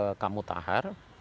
ya kan kak muthahar bilang